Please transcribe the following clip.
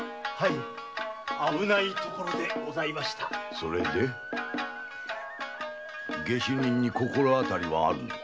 それで下手人に心当たりはあるのか？